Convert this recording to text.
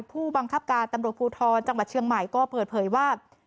ผู้บังคับการตำรวจภูทรจังหวัดเชียงใหม่ก็เปิดเผยว่า